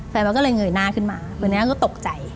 แฟนวาร์ก็เลยเหงื่อหน้าขึ้นมาเพราะฉะนั้นก็ตกใจ